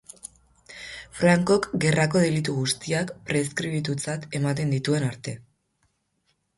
Frankok gerrako delitu guztiak preskribitutzat ematen dituen arte.